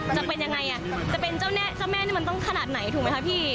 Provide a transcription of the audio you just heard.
จะเป็นยังไงอ่ะจะเป็นเจ้าแม่นี่มันต้องขนาดไหนถูกไหมคะพี่